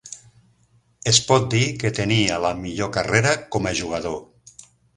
Es pot dir que tenia la millor carrera com a jugador.